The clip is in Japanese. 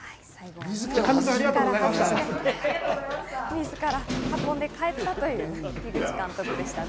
自ら運んで帰ったという、樋口監督でしたね。